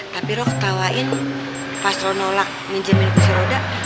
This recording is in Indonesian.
tapi lu ketawain pas lu nolak pinjemin kursi roda